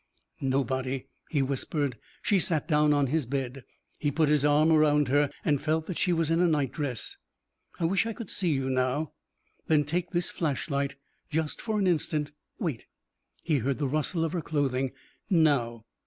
"Nobody," he whispered. She sat down on his bed. He put his arm around her and felt that she was in a nightdress. "I wish I could see you now." "Then take this flashlight just for an instant. Wait." He heard the rustle of her clothing. "Now."